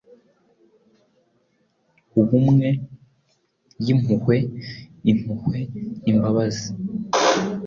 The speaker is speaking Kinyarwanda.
ubumwe: Yimpuhwe, impuhwe, imbabazi.